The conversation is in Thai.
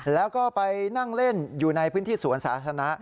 แล้วก็ไปนั่งเล่นอยู่ในพื้นที่สวนสาธารณะ